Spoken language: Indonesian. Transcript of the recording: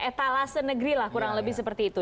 etalase negeri lah kurang lebih seperti itu